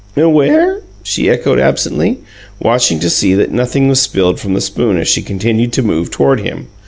"Where?" she echoed absently, watching to see that nothing was spilled from the spoon as she continued to move toward him.